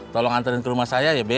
tolong anterin ke rumah saya ya